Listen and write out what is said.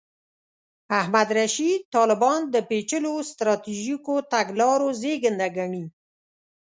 احمد رشید طالبان د پېچلو سټراټیژیکو تګلارو زېږنده ګڼي.